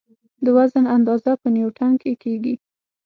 د وزن اندازه په نیوټن کې کېږي.